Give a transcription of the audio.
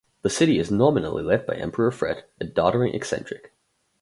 The city is nominally led by Emperor Fred, a doddering eccentric.